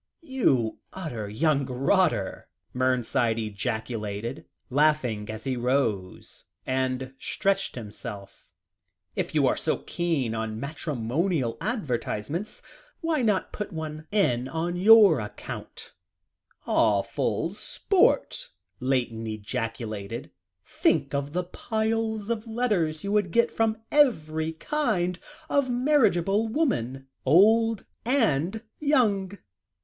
"You utter young rotter," Mernside ejaculated, laughing as he rose, and stretched himself, "if you are so keen on matrimonial advertisements, why not put one in on your own account?" "Awful sport," Layton ejaculated; "think of the piles of letters you would get from every kind of marriageable woman old and young.